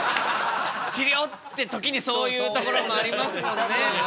治りょうって時にそういうところもありますもんね。